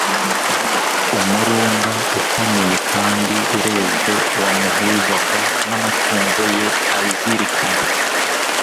Umurunga ukomeye kandi ureze wamuhuzaga n'amatungo ye azirikana.